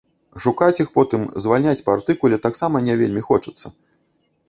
Шукаць іх потым, звальняць па артыкуле таксама не вельмі хочацца.